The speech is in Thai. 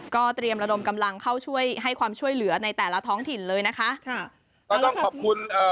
ก็เตรียมระดมกำลังเข้าช่วยให้ความช่วยเหลือในแต่ละท้องถิ่นเลยนะคะค่ะก็ต้องขอบคุณเอ่อ